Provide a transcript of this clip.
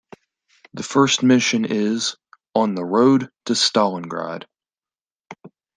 The first mission is On the Road to Stalingrad.